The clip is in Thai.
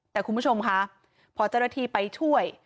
แต่คุณผู้ชมค่ะพอเจ้าหน้าที่ไปช่วย